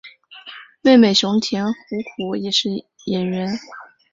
妹妹熊田胡胡也是演员。